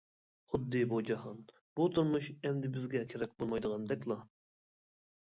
خۇددى بۇ جاھان، بۇ تۇرمۇش ئەمدى بىزگە كېرەك بولمايدىغاندەكلا.